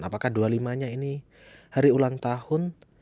apakah dua puluh lima nya ini hari ulang tahun